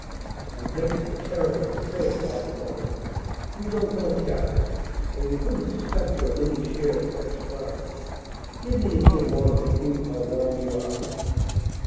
"You're making a terrible mistake," Bobby muttered. "You don't know Katherine or you couldn't suspect her of any share in such crimes. Give me until morning to prove how wrong you are."